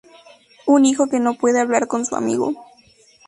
Un hijo que no puede hablar con su amigo.